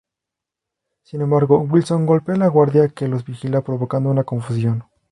Sin embargo, Wilson golpea al guardia que los vigila provocando una confusión.